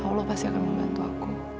allah pasti akan membantu aku